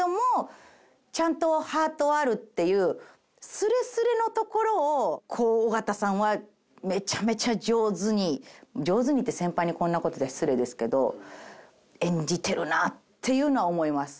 スレスレのところをこう緒方さんはめちゃめちゃ上手に上手にって先輩にこんな事言ったら失礼ですけど演じてるなっていうのは思います。